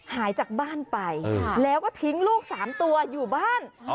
หายจากบ้านไปแล้วก็ทิ้งลูก๓ตัวอยู่บ้าน